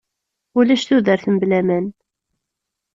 Ulac tudert mebla aman.